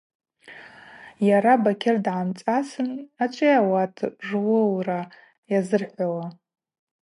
Йара Бакьыр дгӏамцӏасын: – Ачӏвыйа ауат руыура йазырхӏвауа?